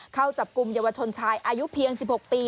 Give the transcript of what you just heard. เข้าจับกลุ่มเยาวชนชายอายุเพียง๑๖ปี